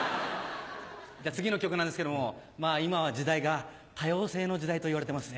じゃあ次の曲なんですけども今は時代が多様性の時代といわれてますね。